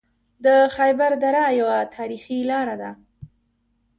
د خیبر دره یوه تاریخي لاره ده